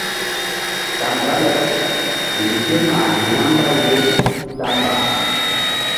Kaŋ dale nzuk ké mah ya̧ mbay ye ta mba.